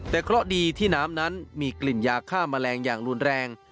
แต่เคราะห์ดีที่น้ำนั้นมีกลิ่นยาฆ่าแมลงอย่างรุนแรง